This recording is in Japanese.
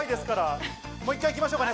もう一回行きましょうかね。